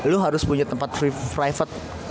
lu harus punya tempat private